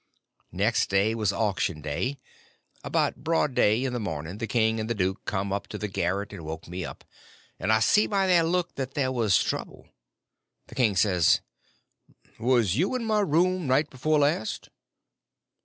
Next day was auction day. About broad day in the morning the king and the duke come up in the garret and woke me up, and I see by their look that there was trouble. The king says: "Was you in my room night before last?"